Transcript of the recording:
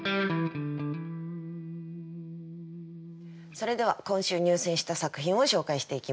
それでは今週入選した作品を紹介していきます。